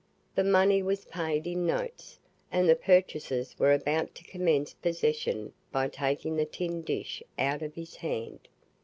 The money was paid in notes, and the purchasers were about to commence possession by taking the tin dish out of his hand.